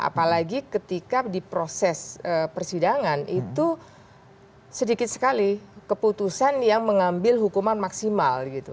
apalagi ketika di proses persidangan itu sedikit sekali keputusan yang mengambil hukuman maksimal gitu